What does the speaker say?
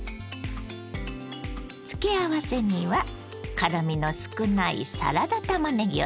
付け合わせには辛みの少ないサラダたまねぎを使います。